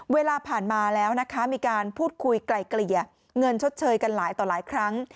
เวลาผ่านมาแล้วนะคะมีการพูดคุยไกลเกลี่ยเงินชดเชยกันหลายต่อหลายครั้ง